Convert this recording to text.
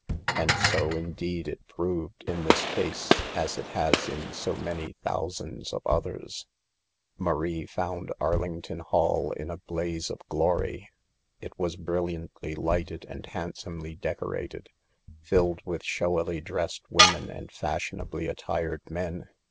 And so, in deed, it proved in this case, as it has in so many thousands of others. Marie found Arlington Hall in a blaze of glory. It was brilliantly lighted and hand somely decorated ; rilled with showily dressed women and fashionably attired men.